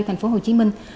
thành phố hồ chí minh